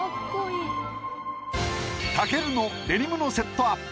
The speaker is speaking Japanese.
武尊のデニムのセットアップ。